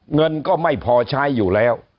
เงินก็ไม่พอใช้อยู่แล้ว